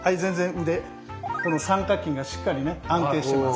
この三角筋がしっかり安定してます。